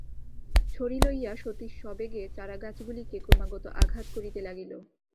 ছড়ি লইয়া সতীশ সবেগে চারাগাছগুলিকে ক্রমাগত আঘাত করিতে লাগিল।